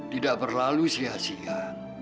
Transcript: tidak berlalu sia sia